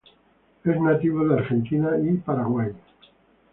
Es nativo de Argentina y Paraguay.